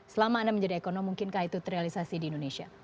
selama anda menjadi ekonom mungkinkah itu terrealisasi di indonesia